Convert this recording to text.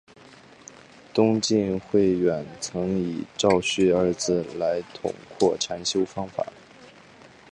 东晋慧远曾以照寂二字来统括禅修方法。